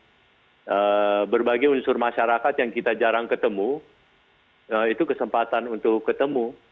jadi berbagai unsur masyarakat yang kita jarang ketemu itu kesempatan untuk ketemu